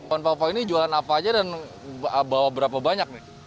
pohon papa ini jualan apa aja dan bawa berapa banyak nih